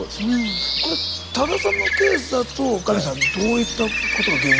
これ多田さんのケースだとカミヤさんどういったことが原因なんでしょう？